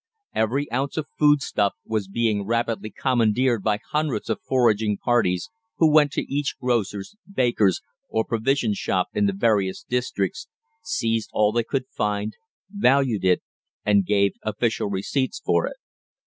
Every ounce of foodstuff was being rapidly commandeered by hundreds of foraging parties, who went to each grocer's, baker's, or provision shop in the various districts, seized all they could find, valued it, and gave official receipts for it.